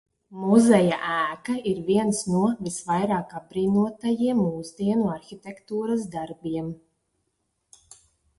Muzeja ēka ir viens no visvairāk apbrīnotajiem mūsdienu arhitektūras darbiem.